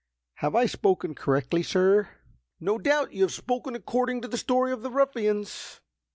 Have I spoken correctly, sir?" "No doubt you have spoken according to the story of those ruffians!"